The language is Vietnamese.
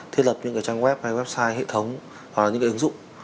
thiết lập những trang web hay website hệ thống hoặc những ứng dụng